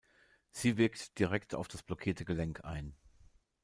Sie wirkt direkt auf das blockierte Gelenk ein.